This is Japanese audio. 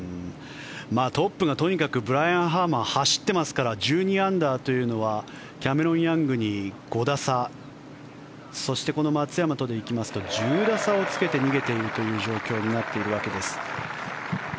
トップがとにかくブライアン・ハーマン走っていますから１２アンダーというのはキャメロン・ヤングに５打差そして、松山とでいきますと１０打差をつけて逃げているという状況になっているわけです。